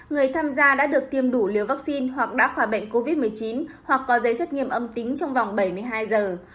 người tham gia đã được tiêm đủ liều vaccine hoặc đã khỏi bệnh covid một mươi chín hoặc có giấy xét nghiệm âm tính trong vòng bảy mươi hai giờ